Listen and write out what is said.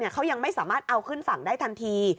เขายังไม่สามารถเอาขึ้นฝั่งได้ทันที